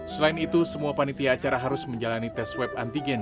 selain itu semua panitia acara harus menjalani tes swab antigen